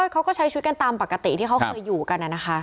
เขาก็ใช้ชุดกันตามปกติที่เขาเคยอยู่กันนะนะคะ